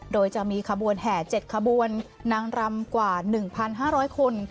โดยจะมีขบวนแห่๗ขบวนนางรำกว่า๑๕๐๐คน